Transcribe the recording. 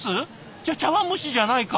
じゃあ茶わん蒸しじゃないか。